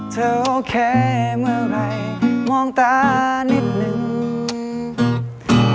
โอเคเมื่อไหร่มองตานิดนึง